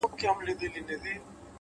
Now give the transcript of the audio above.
نیک نیت زړونه نږدې کوي،